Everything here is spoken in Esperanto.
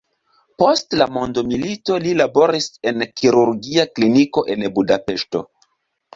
Post la mondomilito li laboris en kirurgia kliniko en Budapeŝto.